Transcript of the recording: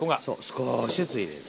少しずつ入れる。